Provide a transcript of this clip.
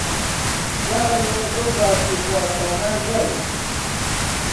جارێ لەو باسوخواسانە گەڕێ!